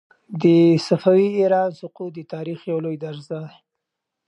د صفوي ایران سقوط د تاریخ یو لوی درس دی.